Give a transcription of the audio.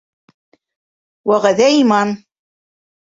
Вәғәҙә - иман.